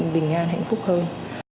mình bình an hạnh phúc hơn